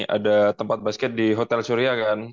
ada tempat basket di hotel syria kan